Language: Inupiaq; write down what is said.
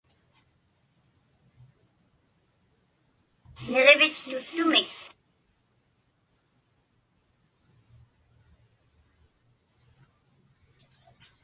Niġivit tuttumik?